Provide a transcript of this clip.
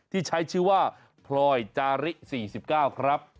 ที่ใช้ชื่อว่าพลอยจาริ๔๙ครับ